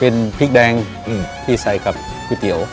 เป็นพริกแดงที่ใส่กับก๋วยเตี๋ยว